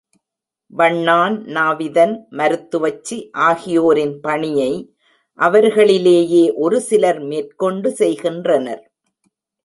வண்ணான், நாவிதன், மருத்துவச்சி ஆகியோரின் பணியை அவர்களிலேயே ஒரு சிலர் மேற்கொண்டு செய்கின்றனர்.